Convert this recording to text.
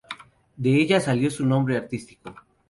De ella salió su nombre artístico.